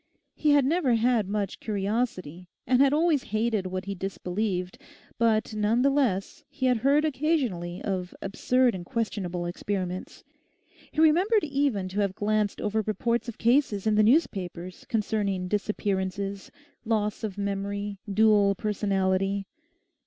He had never had much curiosity, and had always hated what he disbelieved, but none the less he had heard occasionally of absurd and questionable experiments. He remembered even to have glanced over reports of cases in the newspapers concerning disappearances, loss of memory, dual personality.